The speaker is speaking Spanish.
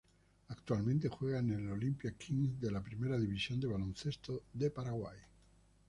Actualmente juega en Olimpia Kings de la Primera División de Baloncesto de Paraguay.